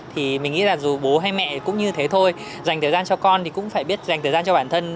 thì mình nghĩ là dù bố hay mẹ cũng như thế thôi dành thời gian cho con thì cũng phải biết dành thời gian cho bản thân